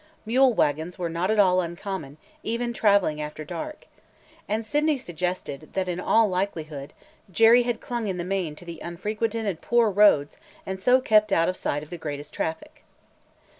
Mule wagons were not at all uncommon, even traveling after dark. And Sydney suggested that, in all likelihood, Jerry had clung in the main to unfrequented and poor roads and so kept out of sight of the greatest traffic.